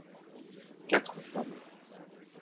quatre femmes.